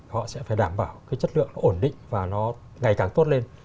họ sẽ phải đảm bảo cái chất lượng nó ổn định và nó ngày càng tốt lên